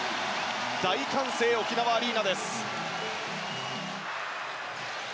大歓声、沖縄アリーナです。